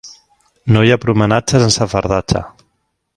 No hi ha prometatge sense fardatge.